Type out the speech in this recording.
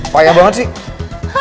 paya banget sih